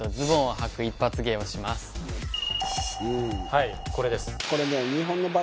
はいこれです。